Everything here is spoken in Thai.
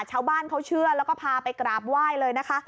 ชาวบ้านเขาเชื่อแล้วก็พาไปกราบไหว้เลยนะคะ